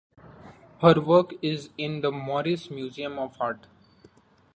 Her work is in the Morris Museum of Art.